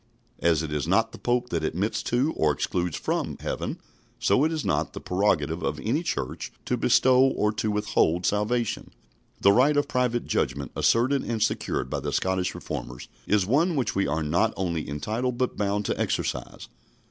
" As it is not the Pope that admits to, or excludes from, heaven, so it is not the prerogative of any church to bestow or to withhold salvation. The right of private judgment, asserted and secured by the Scottish Reformers, is one which we are not only entitled but bound to exercise.